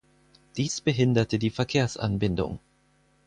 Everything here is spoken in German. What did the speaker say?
Dies behinderte die Verkehrsanbindung.